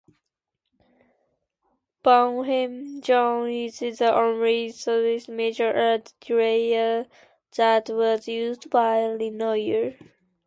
Bernheim-Jeune is the only surviving major art dealer that was used by Renoir.